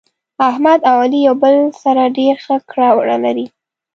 احمد او علي یو له بل سره ډېر ښه کړه وړه لري.